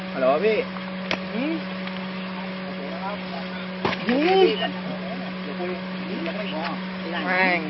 ฮัลโหลนะพี่